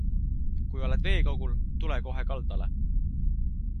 Kui oled veekogul, tule kohe kaldale.